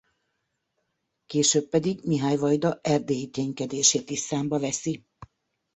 Később pedig Mihály vajda erdélyi ténykedését is számba veszi.